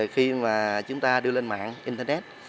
khi chúng ta đưa lên mạng internet